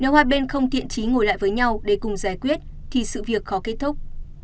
hai bên không tiện trí ngồi lại với nhau để cùng giải quyết thì sự việc khó kết thúc